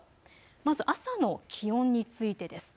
まず朝の気温についてです。